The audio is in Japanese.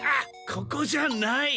ここじゃない！